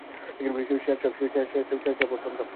Sher Shah for সংগ্রাম!